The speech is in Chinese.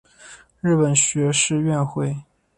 日本学士院会员。